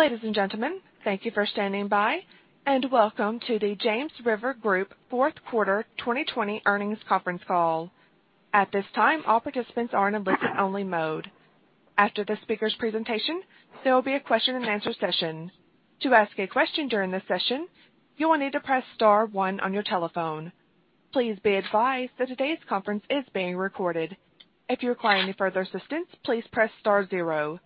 Ladies and gentlemen, thank you for standing by, and welcome to the James River Group fourth quarter 2020 earnings conference call. At this time, all participants are in listen only mode. After the speaker's presentation, there will be a question and answer session. To ask a question during this session, you will need to press star one on your telephone. Please be advised that today's conference is being recorded. If you require any further assistance, please press star zero.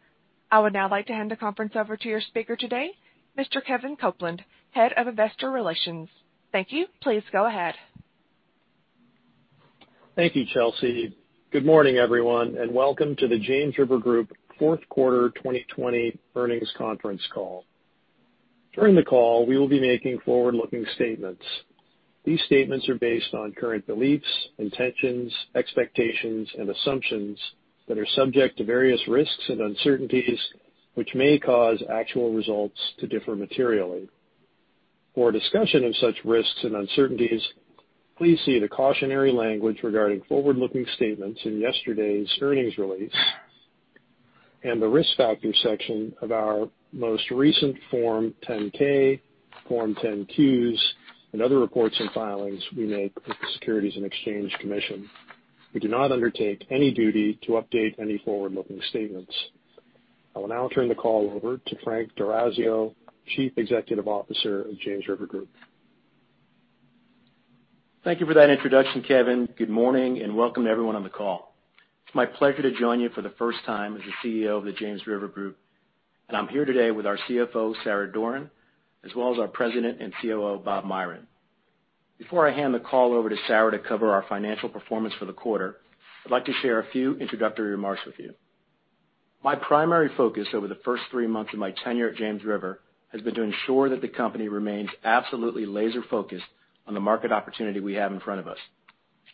I would now like to hand the conference over to your speaker today, Mr. Kevin Copeland, Head of Investor Relations. Thank you. Please go ahead. Thank you, Chelsea. Good morning, everyone, and welcome to the James River Group fourth quarter 2020 earnings conference call. During the call, we will be making forward-looking statements. These statements are based on current beliefs, intentions, expectations, and assumptions that are subject to various risks and uncertainties, which may cause actual results to differ materially. For a discussion of such risks and uncertainties, please see the cautionary language regarding forward-looking statements in yesterday's earnings release and the Risk Factors section of our most recent Form 10-K, Form 10-Qs, and other reports and filings we make with the Securities and Exchange Commission. We do not undertake any duty to update any forward-looking statements. I will now turn the call over to Frank D'Orazio, Chief Executive Officer of James River Group. Thank you for that introduction, Kevin. Good morning and welcome to everyone on the call. It's my pleasure to join you for the first time as the CEO of the James River Group, and I'm here today with our CFO, Sarah Doran, as well as our President and COO, Bob Myron. Before I hand the call over to Sarah to cover our financial performance for the quarter, I'd like to share a few introductory remarks with you. My primary focus over the first three months of my tenure at James River has been to ensure that the company remains absolutely laser-focused on the market opportunity we have in front of us,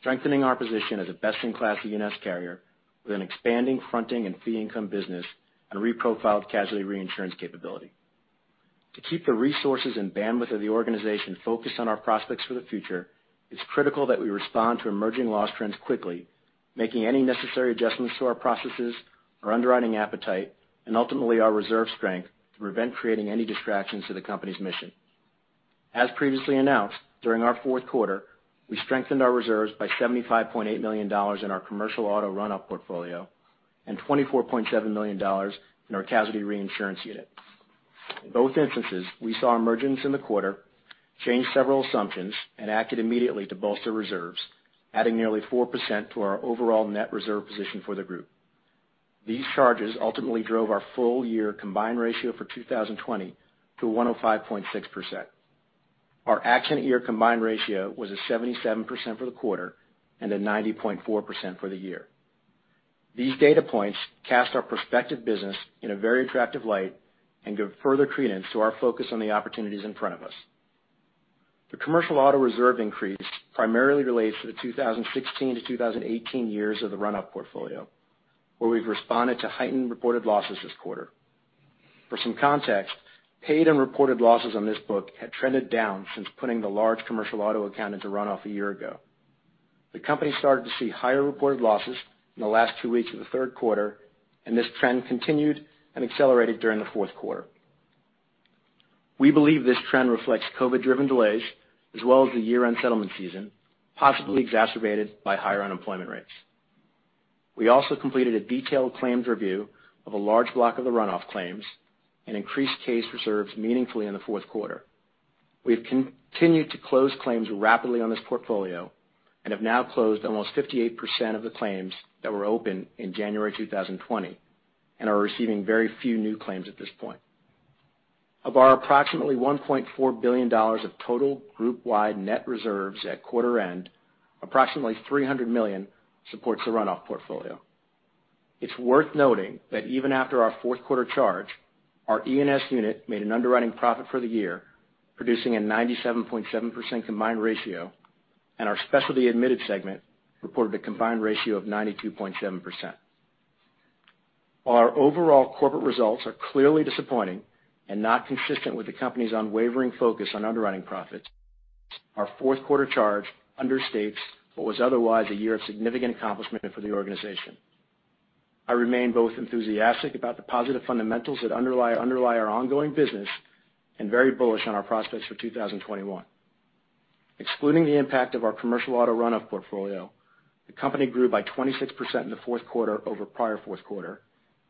strengthening our position as a best-in-class E&S carrier with an expanding fronting and fee income business and reprofiled Casualty Reinsurance capability. To keep the resources and bandwidth of the organization focused on our prospects for the future, it's critical that we respond to emerging loss trends quickly, making any necessary adjustments to our processes, our underwriting appetite, and ultimately, our reserve strength to prevent creating any distractions to the company's mission. As previously announced, during our fourth quarter, we strengthened our reserves by $75.8 million in our commercial auto runoff portfolio and $24.7 million in our Casualty Reinsurance unit. In both instances, we saw emergence in the quarter, changed several assumptions, and acted immediately to bolster reserves, adding nearly 4% to our overall net reserve position for the group. These charges ultimately drove our full year combined ratio for 2020 to 105.6%. Our action year combined ratio was at 77% for the quarter and at 90.4% for the year. These data points cast our prospective business in a very attractive light and give further credence to our focus on the opportunities in front of us. The commercial auto reserve increase primarily relates to the 2016-2018 years of the runoff portfolio, where we've responded to heightened reported losses this quarter. For some context, paid and reported losses on this book had trended down since putting the large commercial auto account into runoff a year ago. The company started to see higher reported losses in the last two weeks of the third quarter, and this trend continued and accelerated during the fourth quarter. We believe this trend reflects COVID-driven delays as well as the year-end settlement season, possibly exacerbated by higher unemployment rates. We also completed a detailed claims review of a large block of the runoff claims and increased case reserves meaningfully in the fourth quarter. We've continued to close claims rapidly on this portfolio and have now closed almost 58% of the claims that were open in January 2020 and are receiving very few new claims at this point. Of our approximately $1.4 billion of total group-wide net reserves at quarter end, approximately $300 million supports the runoff portfolio. It's worth noting that even after our fourth quarter charge, our E&S unit made an underwriting profit for the year, producing a 97.7% combined ratio, and our Specialty Admitted Insurance segment reported a combined ratio of 92.7%. While our overall corporate results are clearly disappointing and not consistent with the company's unwavering focus on underwriting profits, our fourth quarter charge understates what was otherwise a year of significant accomplishment for the organization. I remain both enthusiastic about the positive fundamentals that underlie our ongoing business and very bullish on our prospects for 2021. Excluding the impact of our commercial auto runoff portfolio, the company grew by 26% in the fourth quarter over prior fourth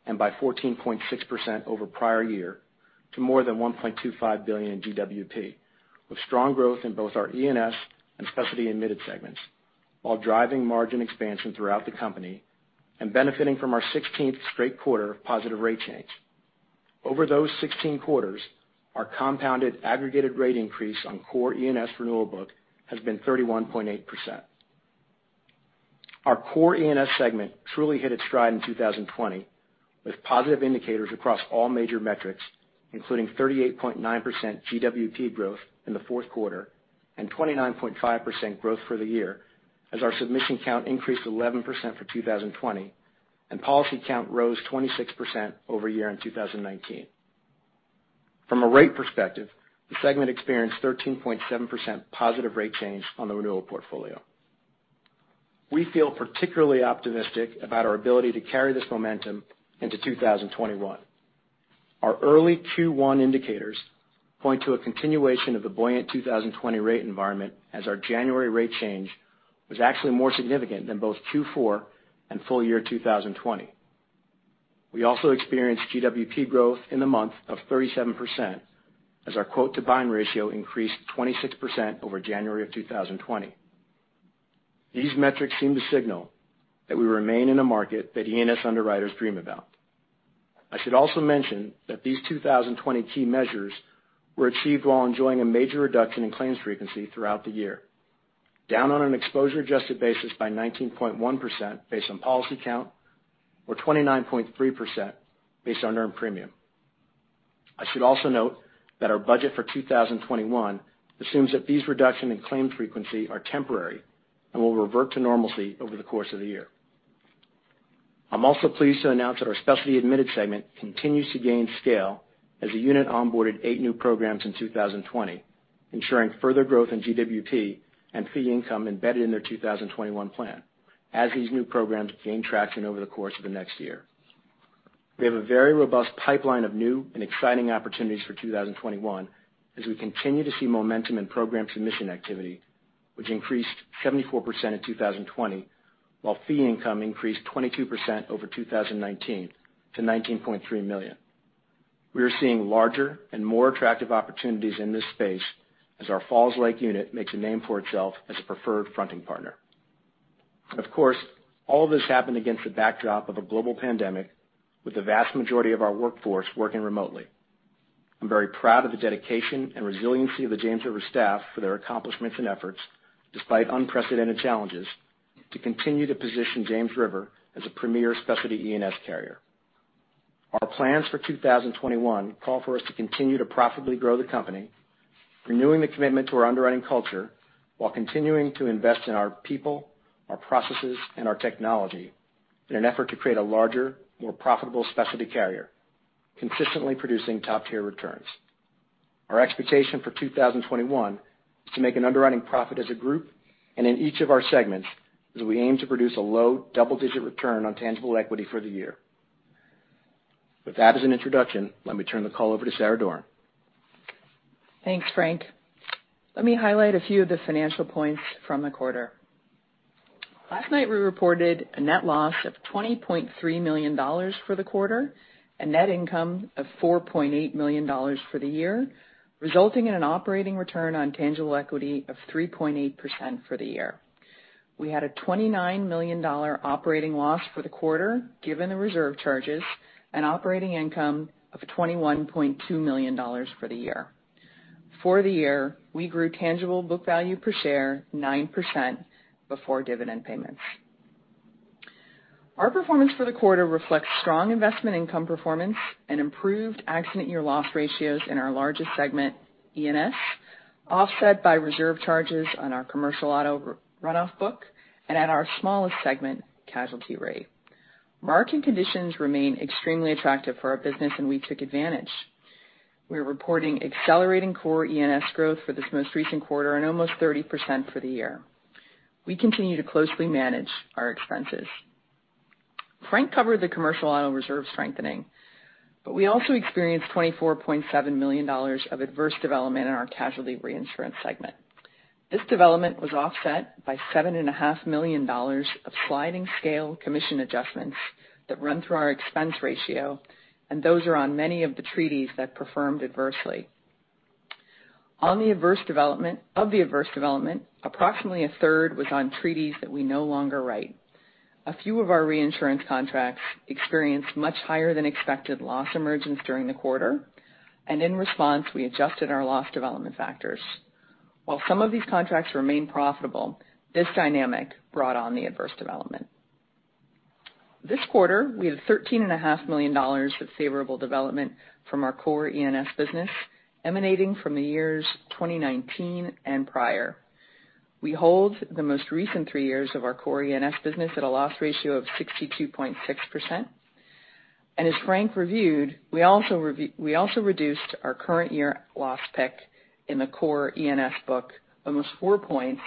quarter, and by 14.6% over prior year to more than $1.25 billion in GWP, with strong growth in both our E&S and Specialty Admitted Insurance segments, while driving margin expansion throughout the company and benefiting from our 16th straight quarter of positive rate change. Over those 16 quarters, our compounded aggregated rate increase on core E&S renewal book has been 31.8%. Our core E&S segment truly hit its stride in 2020 with positive indicators across all major metrics, including 38.9% GWP growth in the fourth quarter and 29.5% growth for the year as our submission count increased 11% for 2020 and policy count rose 26% over year in 2019. From a rate perspective, the segment experienced 13.7% positive rate change on the renewal portfolio. We feel particularly optimistic about our ability to carry this momentum into 2021. Our early Q1 indicators point to a continuation of the buoyant 2020 rate environment as our January rate change was actually more significant than both Q4 and full year 2020. We also experienced GWP growth in the month of 37% as our quote to bind ratio increased 26% over January of 2020. These metrics seem to signal that we remain in a market that E&S underwriters dream about. I should also mention that these 2020 key measures were achieved while enjoying a major reduction in claims frequency throughout the year, down on an exposure-adjusted basis by 19.1% based on policy count, or 29.3% based on earned premium. I should also note that our budget for 2021 assumes that these reduction in claim frequency are temporary and will revert to normalcy over the course of the year. I'm also pleased to announce that our Specialty Admitted Insurance segment continues to gain scale as the unit onboarded eight new programs in 2020, ensuring further growth in GWP and fee income embedded in their 2021 plan as these new programs gain traction over the course of the next year. We have a very robust pipeline of new and exciting opportunities for 2021 as we continue to see momentum in program submission activity, which increased 74% in 2020, while fee income increased 22% over 2019 to $19.3 million. We are seeing larger and more attractive opportunities in this space as our Falls Lake unit makes a name for itself as a preferred fronting partner. Of course, all of this happened against the backdrop of a global pandemic, with the vast majority of our workforce working remotely. I'm very proud of the dedication and resiliency of the James River staff for their accomplishments and efforts, despite unprecedented challenges, to continue to position James River as a premier specialty E&S carrier. Our plans for 2021 call for us to continue to profitably grow the company, renewing the commitment to our underwriting culture while continuing to invest in our people, our processes, and our technology in an effort to create a larger, more profitable specialty carrier, consistently producing top-tier returns. Our expectation for 2021 is to make an underwriting profit as a group and in each of our segments, as we aim to produce a low double-digit return on tangible equity for the year. With that as an introduction, let me turn the call over to Sarah Doran. Thanks, Frank. Let me highlight a few of the financial points from the quarter. Last night, we reported a net loss of $20.3 million for the quarter and net income of $4.8 million for the year, resulting in an operating return on tangible equity of 3.8% for the year. We had a $29 million operating loss for the quarter, given the reserve charges, and operating income of $21.2 million for the year. For the year, we grew tangible book value per share 9% before dividend payments. Our performance for the quarter reflects strong investment income performance and improved accident year loss ratios in our largest segment, E&S, offset by reserve charges on our commercial auto runoff book and at our smallest segment, Casualty Reinsurance. Market conditions remain extremely attractive for our business, and we took advantage. We are reporting accelerating core E&S growth for this most recent quarter and almost 30% for the year. We continue to closely manage our expenses. Frank covered the commercial auto reserve strengthening, but we also experienced $24.7 million of adverse development in our Casualty Reinsurance segment. This development was offset by $7.5 million of sliding scale commission adjustments that run through our expense ratio, and those are on many of the treaties that performed adversely. Of the adverse development, approximately a third was on treaties that we no longer write. A few of our reinsurance contracts experienced much higher than expected loss emergence during the quarter, and in response, we adjusted our loss development factors. While some of these contracts remain profitable, this dynamic brought on the adverse development. This quarter, we had $13.5 million of favorable development from our core E&S business emanating from the years 2019 and prior. We hold the most recent three years of our core E&S business at a loss ratio of 62.6%. As Frank reviewed, we also reduced our current year loss pick in the core E&S book almost four points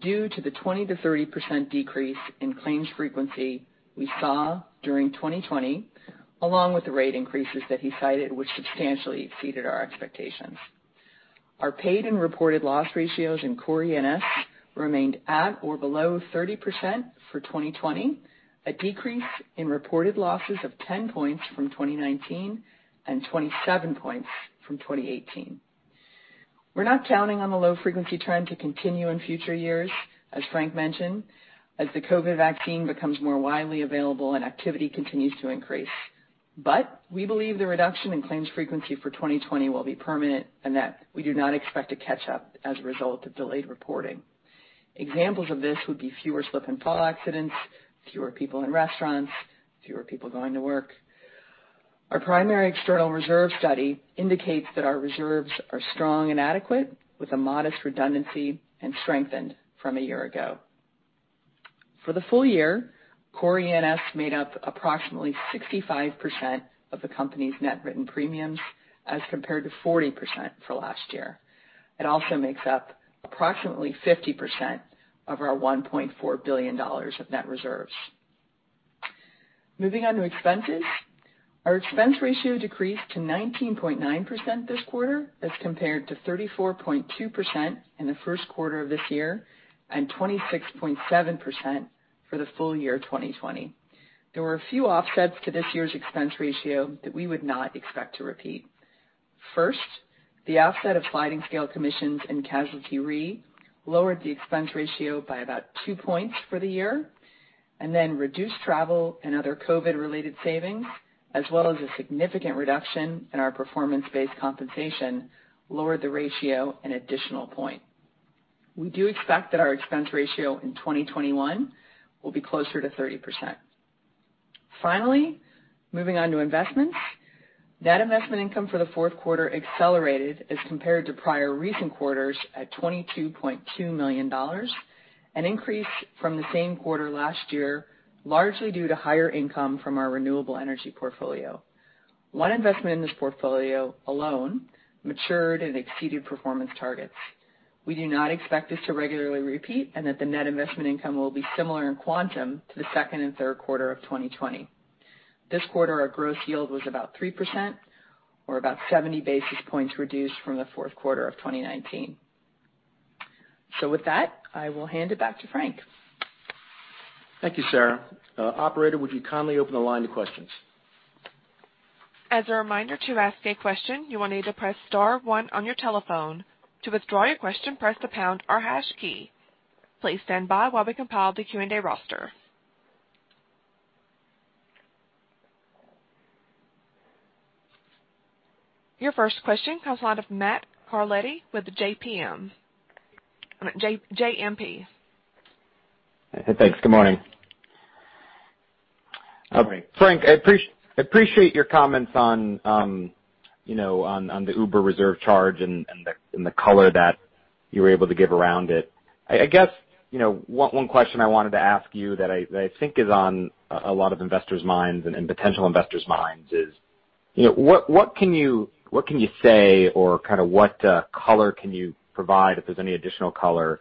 due to the 20%-30% decrease in claims frequency we saw during 2020, along with the rate increases that he cited, which substantially exceeded our expectations. Our paid and reported loss ratios in core E&S remained at or below 30% for 2020, a decrease in reported losses of 10 points from 2019 and 27 points from 2018. We're not counting on the low frequency trend to continue in future years, as Frank mentioned, as the COVID vaccine becomes more widely available and activity continues to increase. We believe the reduction in claims frequency for 2020 will be permanent and that we do not expect a catch-up as a result of delayed reporting. Examples of this would be fewer slip and fall accidents, fewer people in restaurants, fewer people going to work. Our primary external reserve study indicates that our reserves are strong and adequate, with a modest redundancy and strengthened from a year ago. For the full year core E&S made up approximately 65% of the company's net written premiums as compared to 40% for last year. It also makes up approximately 50% of our $1.4 billion of net reserves. Moving on to expenses. Our expense ratio decreased to 19.9% this quarter as compared to 34.2% in the first quarter of this year, and 26.7% for the full year 2020. There were a few offsets to this year's expense ratio that we would not expect to repeat. First, the offset of sliding scale commissions and Casualty Re lowered the expense ratio by about two points for the year, reduced travel and other COVID-related savings, as well as a significant reduction in our performance-based compensation, lowered the ratio an additional point. We do expect that our expense ratio in 2021 will be closer to 30%. Moving on to investments. Net investment income for the fourth quarter accelerated as compared to prior recent quarters at $22.2 million, an increase from the same quarter last year, largely due to higher income from our renewable energy portfolio. One investment in this portfolio alone matured and exceeded performance targets. We do not expect this to regularly repeat, the net investment income will be similar in quantum to the second and third quarter of 2020. This quarter, our gross yield was about 3%, or about 70 basis points reduced from the fourth quarter of 2019. With that, I will hand it back to Frank. Thank you, Sarah. Operator, would you kindly open the line to questions? As a reminder, to ask a question, you will need to press star one on your telephone. To withdraw your question, press the pound or hash key. Please stand by while we compile the Q&A roster. Your first question comes out of Matthew Carletti with JMP. I mean, JMP. Thanks. Good morning. Okay. Frank, I appreciate your comments on the Uber reserve charge and the color that you were able to give around it. I guess, one question I wanted to ask you that I think is on a lot of investors' minds and potential investors' minds is what can you say or what color can you provide, if there's any additional color,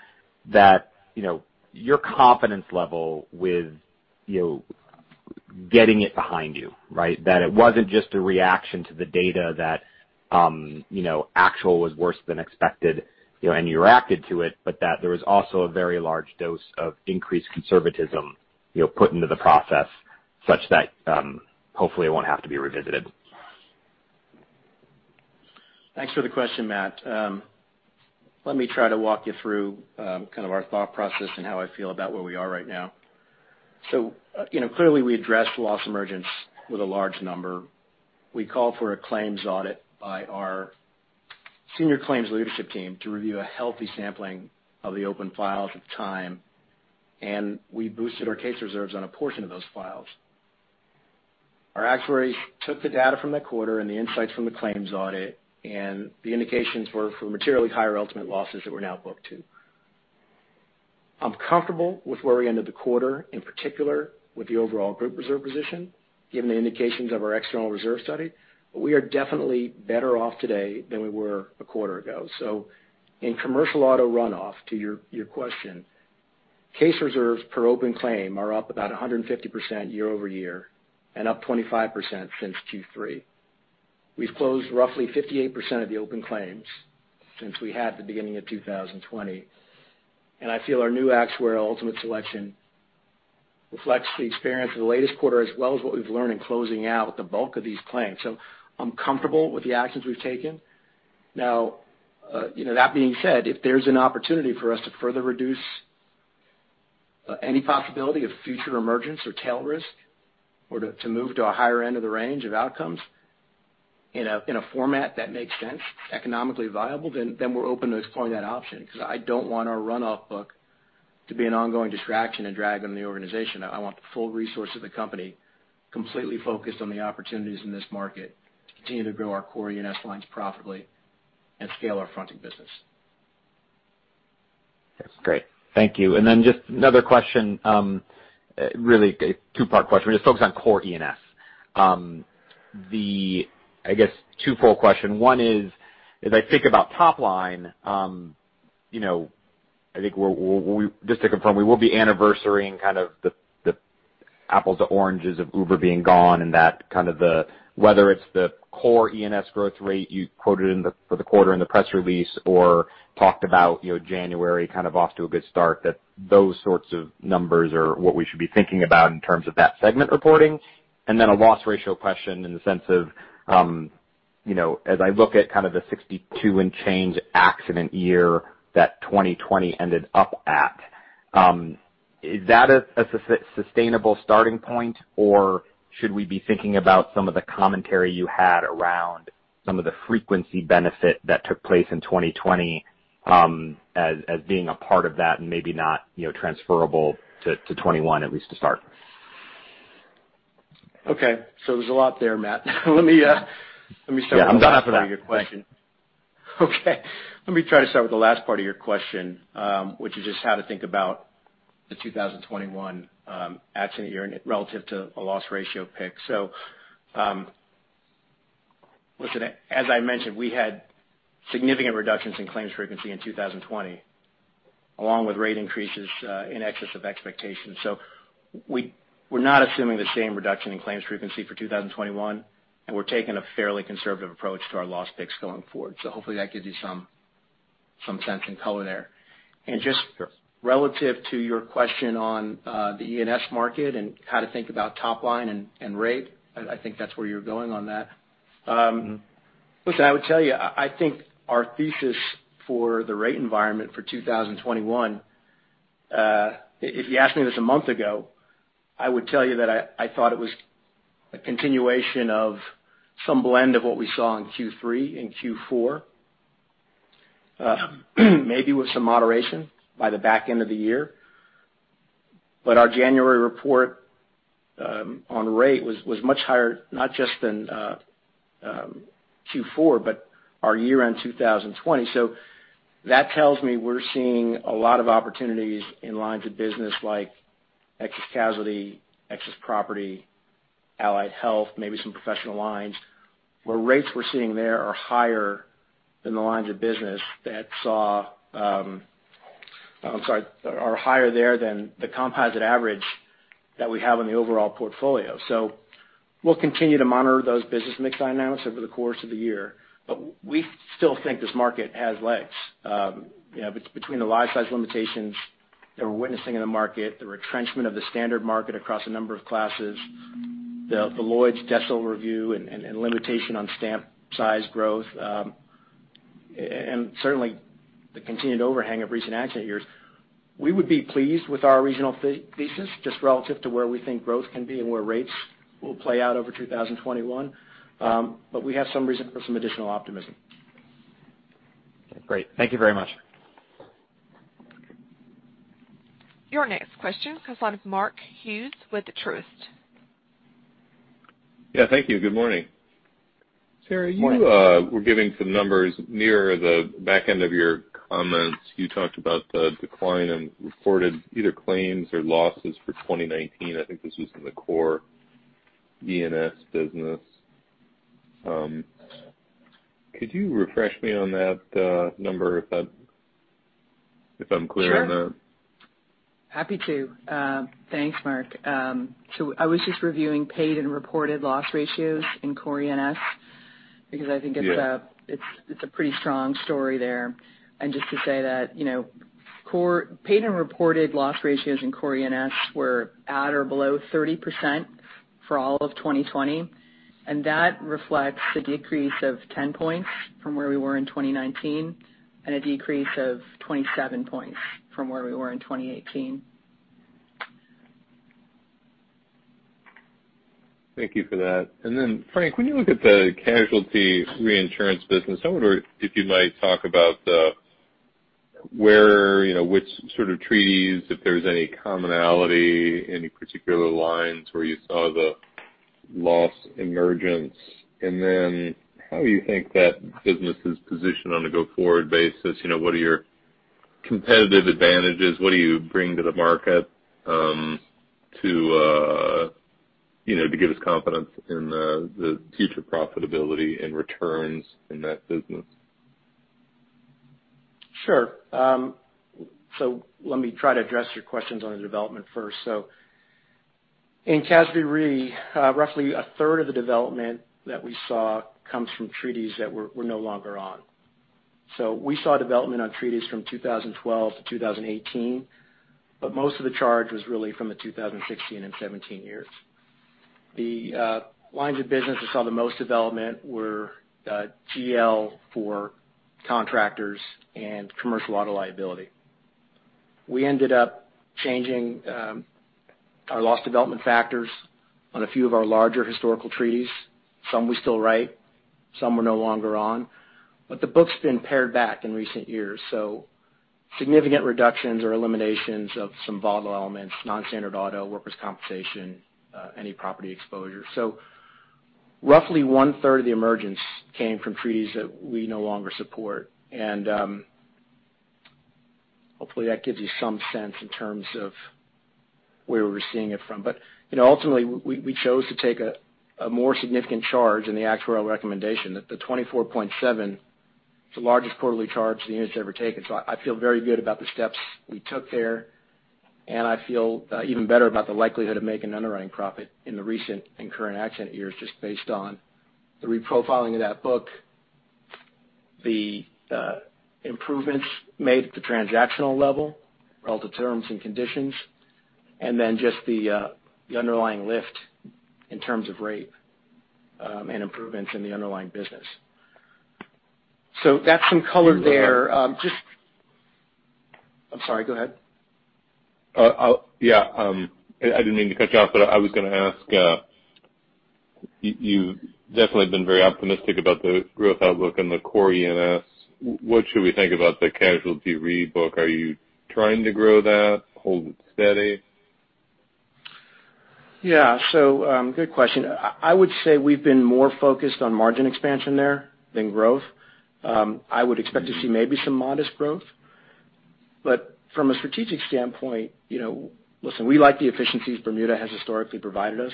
that your confidence level with getting it behind you, right? That it wasn't just a reaction to the data that actual was worse than expected, and you reacted to it, but that there was also a very large dose of increased conservatism put into the process such that, hopefully, it won't have to be revisited. Thanks for the question, Matt. Let me try to walk you through our thought process and how I feel about where we are right now. Clearly, we addressed loss emergence with a large number. We called for a claims audit by our senior claims leadership team to review a healthy sampling of the open files at the time, and we boosted our case reserves on a portion of those files. Our actuaries took the data from that quarter and the insights from the claims audit, and the indications were for materially higher ultimate losses that we're now booked to. I'm comfortable with where we ended the quarter, in particular, with the overall group reserve position, given the indications of our external reserve study. We are definitely better off today than we were a quarter ago. In commercial auto runoff, to your question, case reserves per open claim are up about 150% year-over-year and up 25% since Q3. We've closed roughly 58% of the open claims since we had the beginning of 2020, and I feel our new actuarial ultimate selection reflects the experience of the latest quarter as well as what we've learned in closing out the bulk of these claims. I'm comfortable with the actions we've taken. That being said, if there's an opportunity for us to further reduce any possibility of future emergence or tail risk or to move to a higher end of the range of outcomes in a format that makes sense, economically viable, we're open to exploring that option because I don't want our runoff book to be an ongoing distraction and drag on the organization. I want the full resource of the company completely focused on the opportunities in this market to continue to grow our core E&S lines profitably and scale our fronting business. Great. Thank you. Just another question, really a two-part question, just focused on core E&S. I guess twofold question. One is, as I think about top line, I think just to confirm, we will be anniversary-ing kind of the apples to oranges of Uber being gone, and that kind of the, whether it's the core E&S growth rate you quoted for the quarter in the press release or talked about January off to a good start, that those sorts of numbers are what we should be thinking about in terms of that segment reporting? A loss ratio question in the sense of, as I look at kind of the 62 and change accident year that 2020 ended up at, is that a sustainable starting point, or should we be thinking about some of the commentary you had around some of the frequency benefit that took place in 2020 as being a part of that and maybe not transferable to 2021, at least to start? Okay. There's a lot there, Matt. Let me start with. Yeah, I'm down for that. Thank you. Okay. Let me try to start with the last part of your question, which is just how to think about the 2021 accident year relative to a loss ratio pick. Listen, as I mentioned, we had significant reductions in claims frequency in 2020, along with rate increases in excess of expectations. We're not assuming the same reduction in claims frequency for 2021, and we're taking a fairly conservative approach to our loss picks going forward. Hopefully that gives you some sense and color there. Just. Sure relative to your question on the E&S market and how to think about top line and rate, I think that's where you're going on that. Listen, I would tell you, I think our thesis for the rate environment for 2021, if you asked me this a month ago, I would tell you that I thought it was a continuation of some blend of what we saw in Q3 and Q4, maybe with some moderation by the back end of the year. Our January report on rate was much higher, not just than Q4, but our year-end 2020. That tells me we're seeing a lot of opportunities in lines of business like excess casualty, excess property, allied health, maybe some professional lines, where rates we're seeing there are higher than the lines of business that I'm sorry, are higher there than the composite average that we have in the overall portfolio. We'll continue to monitor those business mix dynamics over the course of the year. We still think this market has legs. Between the live size limitations that we're witnessing in the market, the retrenchment of the standard market across a number of classes, the Lloyd's desk overview and limitation on stamp size growth, and certainly the continued overhang of recent accident years. We would be pleased with our regional thesis, just relative to where we think growth can be and where rates will play out over 2021. We have some reason for some additional optimism. Great. Thank you very much. Your next question comes on with Mark Hughes with Truist. Yeah, thank you. Good morning. Good morning. Sarah, you were giving some numbers near the back end of your comments. You talked about the decline in reported either claims or losses for 2019. I think this was in the core E&S business. Could you refresh me on that number, if I'm clear on that? Sure. Happy to. Thanks, Mark. I was just reviewing paid and reported loss ratios in core E&S, because I think Yeah it's a pretty strong story there. Just to say that paid and reported loss ratios in core E&S were at or below 30% for all of 2020, and that reflects a decrease of 10 points from where we were in 2019 and a decrease of 27 points from where we were in 2018. Thank you for that. Frank, when you look at the Casualty Reinsurance business, I wonder if you might talk about which sort of treaties, if there's any commonality, any particular lines where you saw the loss emergence. How you think that business is positioned on a go-forward basis? What are your competitive advantages? What do you bring to the market to give us confidence in the future profitability and returns in that business? Sure. Let me try to address your questions on the development first. In Casualty Re, roughly a third of the development that we saw comes from treaties that we're no longer on. We saw development on treaties from 2012 to 2018, but most of the charge was really from the 2016 and 2017 years. The lines of business that saw the most development were GL for contractors and commercial auto liability. We ended up changing our loss development factors on a few of our larger historical treaties. Some we still write, some we're no longer on. The book's been pared back in recent years, significant reductions or eliminations of some volatile elements, non-standard auto, workers' compensation, any property exposure. Roughly one-third of the emergence came from treaties that we no longer support. Hopefully, that gives you some sense in terms of where we're seeing it from. Ultimately, we chose to take a more significant charge in the actuarial recommendation. The 24.7 is the largest quarterly charge the unit's ever taken. I feel very good about the steps we took there, and I feel even better about the likelihood of making an underwriting profit in the recent and current accident years just based on the reprofiling of that book, the improvements made at the transactional level, relative terms and conditions, and then just the underlying lift in terms of rate and improvements in the underlying business. That's some color there. I'm sorry, go ahead. I didn't mean to cut you off, but I was going to ask You've definitely been very optimistic about the growth outlook in the core E&S. What should we think about the Casualty Re book? Are you trying to grow that, hold it steady? Good question. I would say we've been more focused on margin expansion there than growth. I would expect to see maybe some modest growth. From a strategic standpoint, listen, we like the efficiencies Bermuda has historically provided us.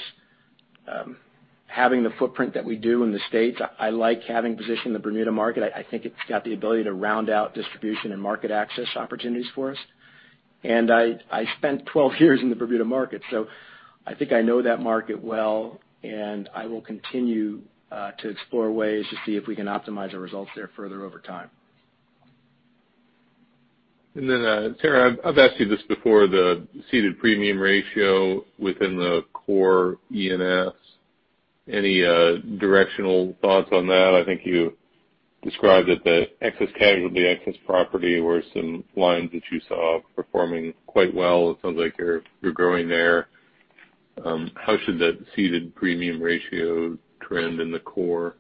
Having the footprint that we do in the States, I like having position in the Bermuda market. I think it's got the ability to round out distribution and market access opportunities for us. I spent 12 years in the Bermuda market, so I think I know that market well, and I will continue to explore ways to see if we can optimize our results there further over time. Sarah, I've asked you this before, the ceded premium ratio within the core E&S. Any directional thoughts on that? I think you described it that excess casualty, excess property were some lines that you saw performing quite well. It sounds like you're growing there. How should that ceded premium ratio trend in the core?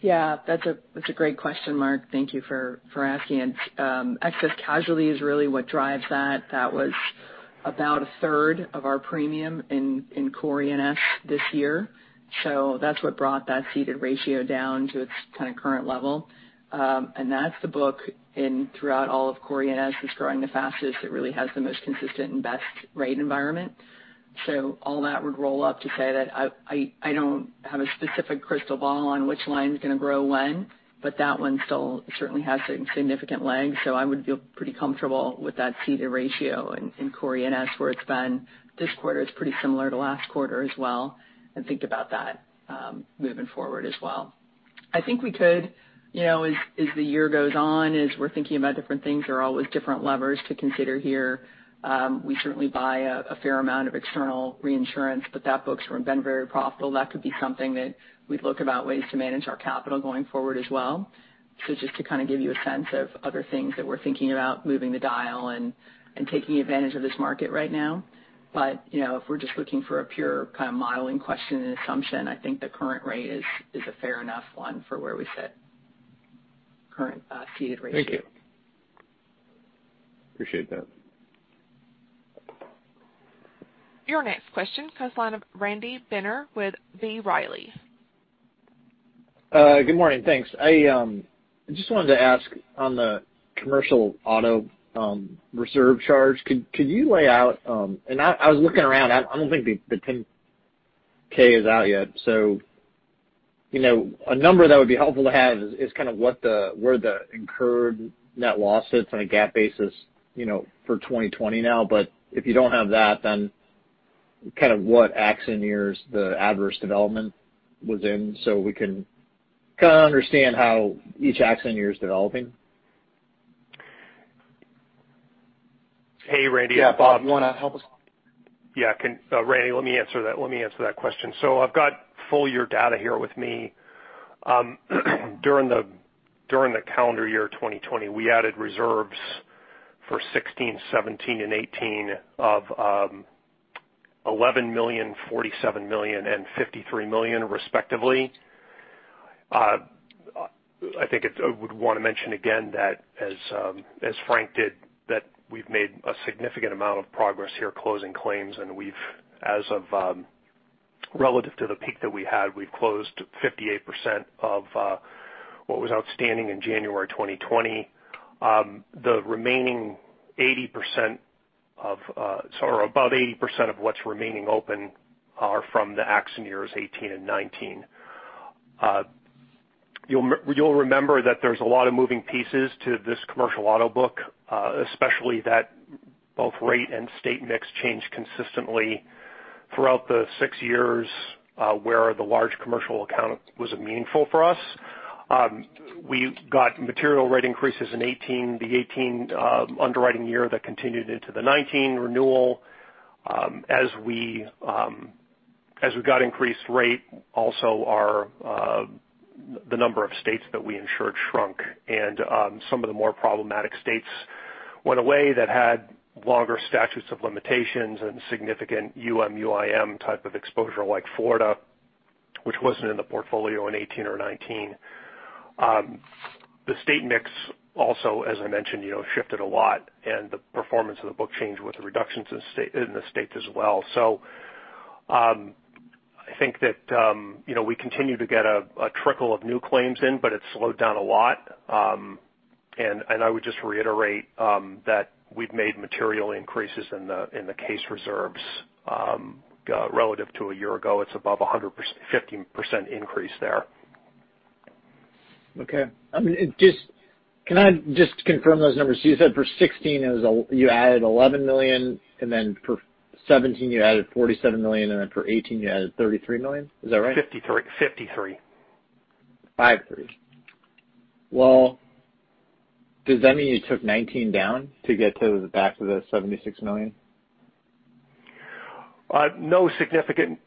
Yeah, that's a great question, Mark. Thank you for asking it. Excess casualty is really what drives that. That was about a third of our premium in core E&S this year. That's what brought that ceded ratio down to its current level. That's the book in throughout all of core E&S that's growing the fastest, that really has the most consistent and best rate environment. All that would roll up to say that I don't have a specific crystal ball on which line's going to grow when, but that one still certainly has some significant legs, so I would feel pretty comfortable with that ceded ratio in core E&S, where it's been this quarter is pretty similar to last quarter as well, and think about that moving forward as well. I think we could, as the year goes on, as we're thinking about different things, there are always different levers to consider here. We certainly buy a fair amount of external reinsurance, but that book's been very profitable. That could be something that we'd look about ways to manage our capital going forward as well. Just to give you a sense of other things that we're thinking about moving the dial and taking advantage of this market right now. If we're just looking for a pure kind of modeling question and assumption, I think the current rate is a fair enough one for where we sit. Current ceded ratio. Thank you. Appreciate that. Your next question comes on Randy Binner with B. Riley. Good morning. Thanks. I just wanted to ask on the commercial auto reserve charge, could you lay out, I was looking around, I don't think the Form 10-K is out yet, a number that would be helpful to have is where the incurred net loss sits on a GAAP basis for 2020 now. If you don't have that, what accident years the adverse development was in, so we can understand how each accident year is developing. Hey, Randy. It's Bob. Bob, you want to help us? Randy, let me answer that question. I've got full year data here with me. During the calendar year 2020, we added reserves for 2016, 2017, and 2018 of $11 million, $47 million, and $53 million respectively. I think I would want to mention again that as Frank did, that we've made a significant amount of progress here closing claims, and as of relative to the peak that we had, we've closed 58% of what was outstanding in January 2020. The remaining 80%, or above 80% of what's remaining open are from the accident years 2018 and 2019. You'll remember that there's a lot of moving pieces to this commercial auto book, especially that both rate and state mix changed consistently throughout the six years where the large commercial account was meaningful for us. We got material rate increases in the 2018 underwriting year that continued into the 2019 renewal. As we got increased rate, also the number of states that we insured shrunk, and some of the more problematic states went away that had longer statutes of limitations and significant UM/UIM type of exposure, like Florida, which wasn't in the portfolio in 2018 or 2019. The state mix also, as I mentioned, shifted a lot, and the performance of the book changed with the reductions in the states as well. I think that we continue to get a trickle of new claims in, but it's slowed down a lot. I would just reiterate that we've made material increases in the case reserves. Relative to a year ago, it's above 150% increase there. Okay. Can I just confirm those numbers? You said for 2016 you added $11 million, for 2017 you added $47 million, for 2018 you added $33 million. Is that right? Fifty-three. 53. Well, does that mean you took 2019 down to get to back to the $76 million? No significant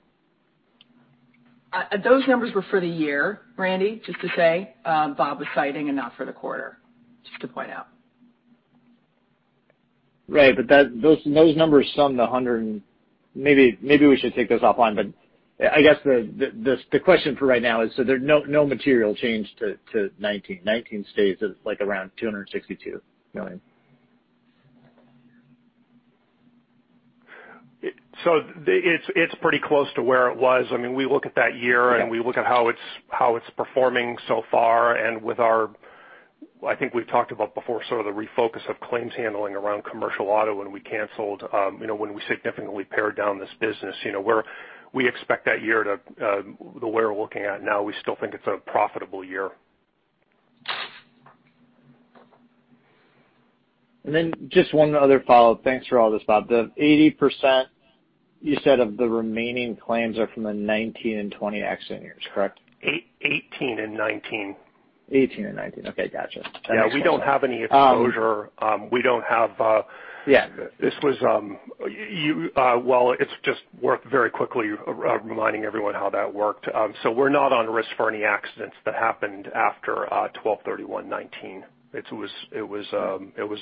Those numbers were for the year, Randy, just to say, Bob was citing, not for the quarter. Just to point out. Right, those numbers sum to 100. Maybe we should take this offline, I guess the question for right now is, there's no material change to 2019. 2019 stays at around $262 million. It's pretty close to where it was. We look at that year- Yeah We look at how it's performing so far. With our, I think we've talked about before, the refocus of claims handling around commercial auto when we canceled, when we significantly pared down this business. We expect that year, the way we're looking at it now, we still think it's a profitable year. Just one other follow-up. Thanks for all this, Bob. The 80%, you said, of the remaining claims are from the 2019 and 2020 accident years, correct? 2018 and 2019. 2018 and 2019. Okay, gotcha. That makes more sense. Yeah, we don't have any exposure. Yeah. Well, it's just worth very quickly reminding everyone how that worked. We're not on risk for any accidents that happened after 12/31/2019. It was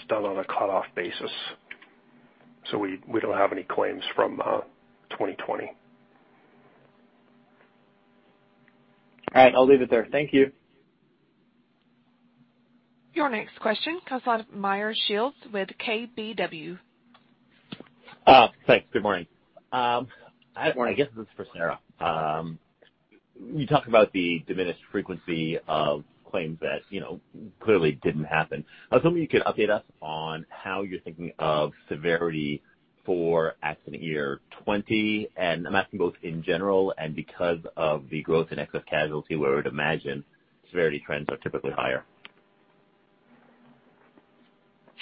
done on a cutoff basis. We don't have any claims from 2020. All right. I'll leave it there. Thank you. Your next question comes out of Meyer Shields with KBW. Thanks. Good morning. Good morning. I guess this is for Sarah. You talk about the diminished frequency of claims that clearly didn't happen. I was hoping you could update us on how you're thinking of severity for accident year 2020, and I'm asking both in general and because of the growth in excess casualty, where I would imagine severity trends are typically higher.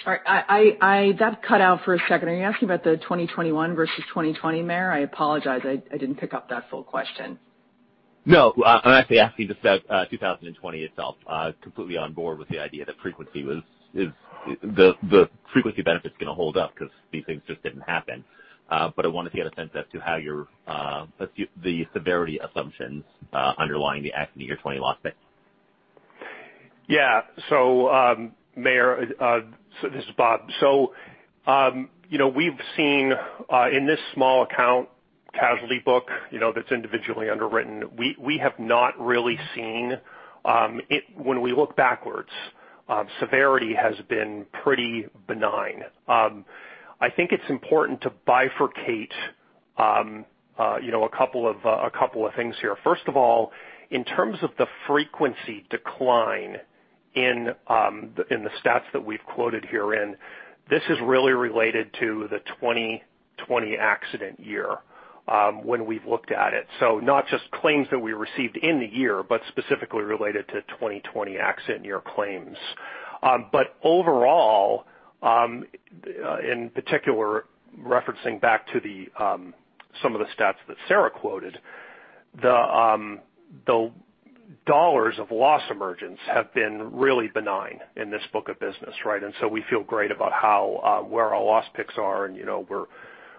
All right. That cut out for a second. Are you asking about the 2021 versus 2020, Meyer? I apologize, I didn't pick up that full question. No, I'm actually asking just about 2020 itself. Completely on board with the idea that the frequency benefit's going to hold up because these things just didn't happen. I wanted to get a sense as to the severity assumptions underlying the accident year 2020 loss pick. Yeah. Meyer, this is Bob Myron. We've seen in this small account casualty book that's individually underwritten, we have not really seen, when we look backwards, severity has been pretty benign. I think it's important to bifurcate a couple of things here. First of all, in terms of the frequency decline in the stats that we've quoted herein, this is really related to the 2020 accident year when we've looked at it. Not just claims that we received in the year, but specifically related to 2020 accident year claims. Overall, in particular, referencing back to some of the stats that Sarah Doran quoted, the $ of loss emergence have been really benign in this book of business, right? We feel great about where our loss picks are, and we're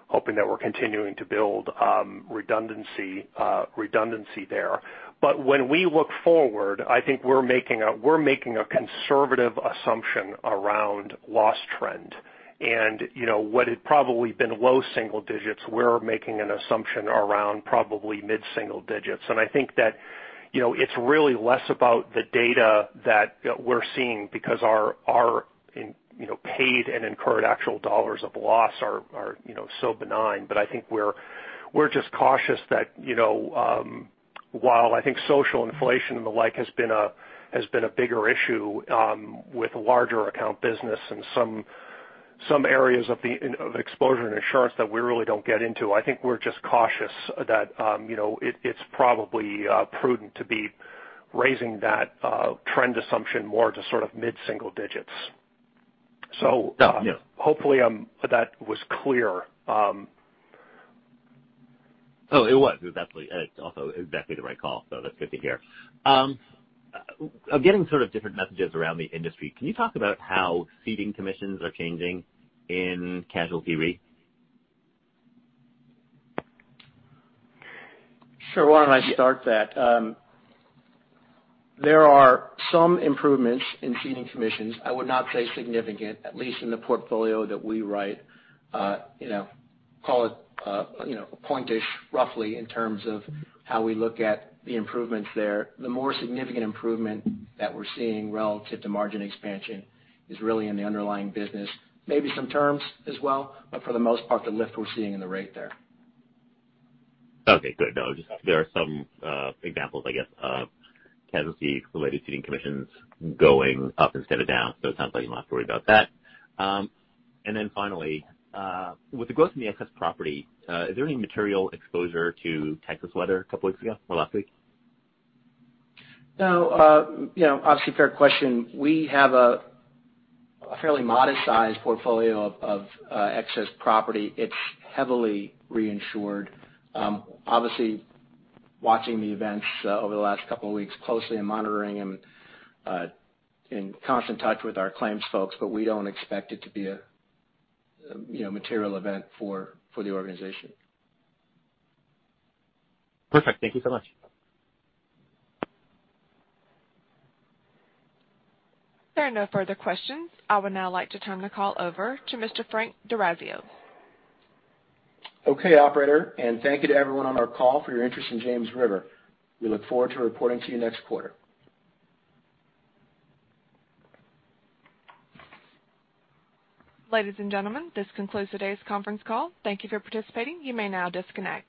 hoping that we're continuing to build redundancy there. When we look forward, I think we're making a conservative assumption around loss trend. What had probably been low single digits, we're making an assumption around probably mid-single digits. I think that it's really less about the data that we're seeing because our paid and incurred actual $ of loss are so benign, but I think we're just cautious that while I think social inflation and the like has been a bigger issue with larger account business and some areas of exposure and insurance that we really don't get into, I think we're just cautious that it's probably prudent to be raising that trend assumption more to mid-single digits. Yeah. Hopefully that was clear. Oh, it was. It was definitely the right call, so that's good to hear. I'm getting different messages around the industry. Can you talk about how ceding commissions are changing in Casualty Re? Sure. Why don't I start that? There are some improvements in ceding commissions. I would not say significant, at least in the portfolio that we write. Call it a point-ish, roughly, in terms of how we look at the improvements there. The more significant improvement that we're seeing relative to margin expansion is really in the underlying business. Maybe some terms as well, but for the most part, the lift we're seeing in the rate there. Okay, good. No, just there are some examples, I guess, of casualty-related ceding commissions going up instead of down, so it sounds like you're not worried about that. Then finally, with the growth in the excess property, is there any material exposure to Texas weather a couple of weeks ago, or last week? No. Obviously, fair question. We have a fairly modest-sized portfolio of excess property. It's heavily reinsured. Obviously, watching the events over the last couple of weeks closely and monitoring them, in constant touch with our claims folks, but we don't expect it to be a material event for the organization. Perfect. Thank you so much. There are no further questions. I would now like to turn the call over to Mr. Frank D'Orazio. Okay, operator. Thank you to everyone on our call for your interest in James River. We look forward to reporting to you next quarter. Ladies and gentlemen, this concludes today's conference call. Thank you for participating. You may now disconnect.